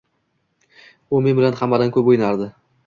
U men bilan hammadan ko‘p o‘ynardi